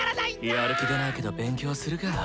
やる気出ないけど勉強するか。